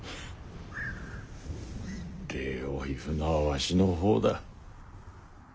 礼を言うのはわしの方だ。